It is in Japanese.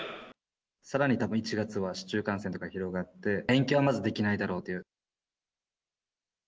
さらにたぶん１月は市中感染とか広がって、延期はまずできないだろうという。